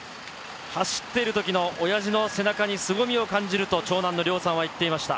走っているときのおやじの背中に、すごみを感じると、長男の凌央さんは言ってました。